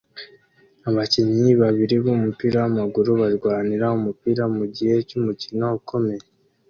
Abakinnyi babiri b'umupira w'amaguru barwanira umupira mugihe cy'umukino ukomeye